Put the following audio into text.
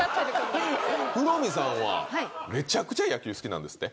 黒見さんはめちゃくちゃ野球好きなんですって？